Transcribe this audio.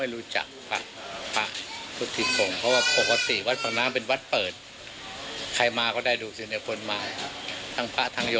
รู้ว่าเขาได้ว่าเขาพาใครมาอะไร